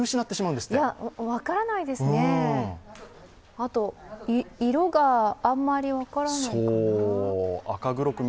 あと、色があんまり分からないかな